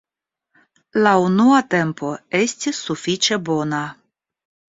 La unua tempo estis sufiĉe bona.